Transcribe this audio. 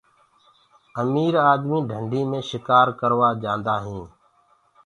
امير آدمي ڍنڊي مي شڪآر ڪروآ جآندآ هينٚ۔